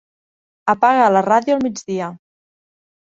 Apaga la ràdio al migdia.